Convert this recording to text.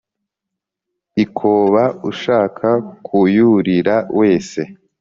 ikoba ushaka kuyurira wese.